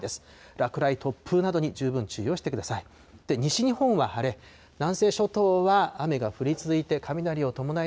落雷、突風などに十分注意をしてください。